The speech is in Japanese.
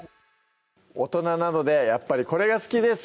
大人なのでやっぱりこれが好きです